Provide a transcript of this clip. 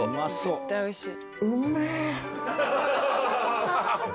絶対おいしい。